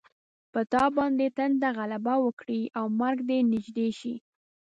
په تا باندې تنده غلبه وکړي او مرګ دې نږدې شي.